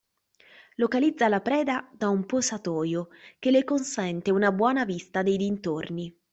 Localizza la preda da un posatoio che le consente una buona vista dei dintorni.